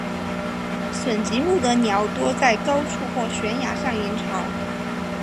隼形目的鸟多在高树或悬崖上营巢。